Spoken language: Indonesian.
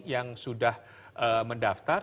yang sudah mendaftar